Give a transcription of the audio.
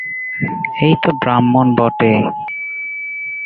এই তো ব্রাহ্মণ বটে!